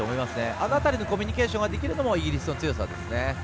あの辺りのコミュニケーションができるのもイギリスの強さですね。